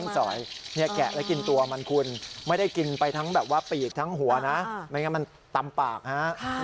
แกะแล้วกินตัวมันคุณไม่ได้กินไปทั้งแบบว่าปีกทั้งหัวนะไม่งั้นมันตำปากฮะ